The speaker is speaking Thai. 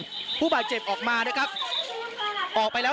เรายังไม่ทราบว่าบาดเจ็บตรงไหนอะไรอย่างไรบ้างนะก็จะมีการพยายามนำผู้บาดเจ็บออกมาเรื่อย